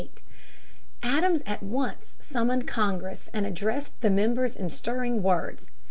Z. Affair, 1797 98. Adams at once summoned Congress and addressed the members in stirring words.